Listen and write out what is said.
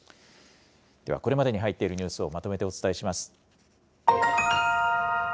では、これまでに入っているニュースをまとめてお伝えします。